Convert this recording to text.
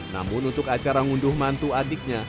namun untuk acara ngunduh mantu adiknya